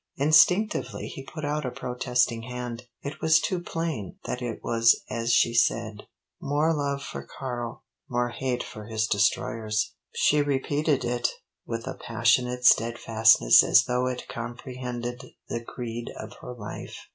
Instinctively he put out a protesting hand. It was too plain that it was as she said. "More love for Karl more hate for his destroyers," she repeated it with a passionate steadfastness as though it comprehended the creed of her life.